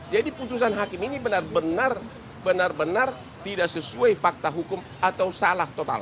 jadi putusan hakim ini benar benar benar benar tidak sesuai fakta hukum atau salah total